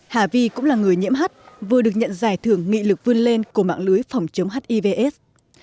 hà vi cũng là người nhiễm hất vừa được nhận giải thưởng nghị lực vươn lên của mạng lưới phòng chống hivs